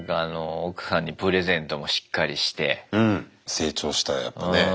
成長したやっぱね。